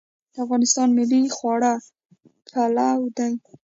د افغانستان ملي خواړه پلاو دی